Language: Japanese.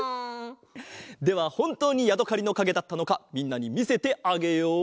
ではほんとうにやどかりのかげだったのかみんなにみせてあげよう！